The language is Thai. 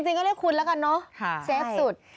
จริงก็ดีกว่าคุณละกันน้อยเจ๊สุด